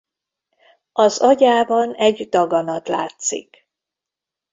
Az agyában egy daganat látszik.